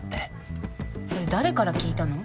それ誰から聞いたの？